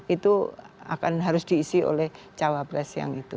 itu akan harus diisi oleh cawapres yang itu